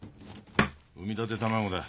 産みたて卵だ